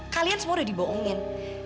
kalian semua udah diboongin